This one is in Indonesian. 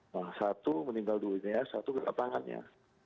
nah satu meninggal dulu ini ya satu kena tangannya